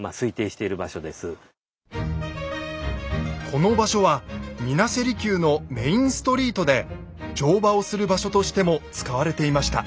この場所は水無瀬離宮のメインストリートで乗馬をする場所としても使われていました。